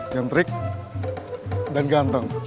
gentrik dan ganteng